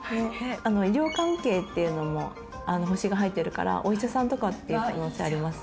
医療関係っていうのも星が入ってるからお医者さんとかの可能性あります